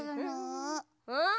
うん？